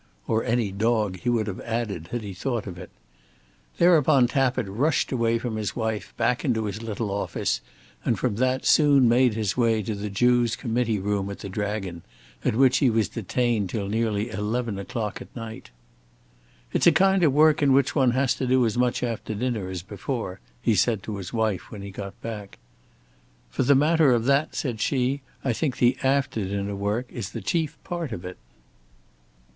"Or any dog," he would have added, had he thought of it. Thereupon Tappitt rushed away from his wife, back into his little office, and from that soon made his way to the Jew's committee room at the Dragon, at which he was detained till nearly eleven o'clock at night. "It's a kind of work in which one has to do as much after dinner as before," he said to his wife when he got back. "For the matter of that," said she, "I think the after dinner work is the chief part of it."